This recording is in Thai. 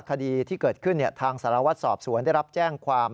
คดีที่เกิดขึ้นทางสารวัตรสอบสวนได้รับแจ้งความ